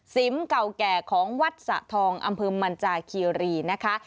เก่าแก่ของวัดสะทองอำเภอมันจาคีรีนะคะ